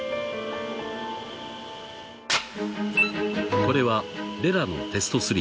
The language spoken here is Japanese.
［これはレラのテスト３］